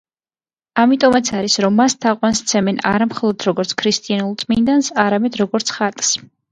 ამიტომ არის, რომ მას თაყვანს სცემენ არა როგორც მხოლოდ ქრისტიანულ წმინდანს, არამედ, როგორც ხატს.